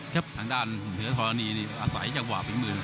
ครับทางด้านเหนือธรรณีนี่อาศัยจากหวาบศิลป์มือ